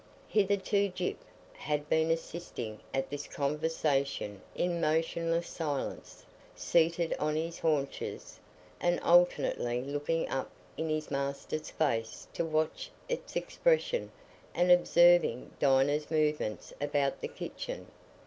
Hitherto Gyp had been assisting at this conversation in motionless silence, seated on his haunches, and alternately looking up in his master's face to watch its expression and observing Dinah's movements about the kitchen.